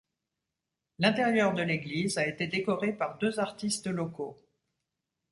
L'intérieur de l'église a été décoré par deux artistes locaux.